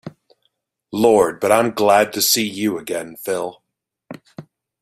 Lord, but I'm glad to see you again, Phil.